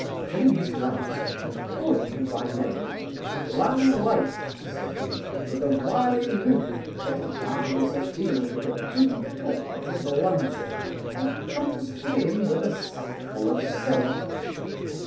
Filling his glass, and calling him by name, 'Lang life (said he), to the wylie loon that gangs a field with a toom poke at his lunzie, and comes hame with a sackful of siller.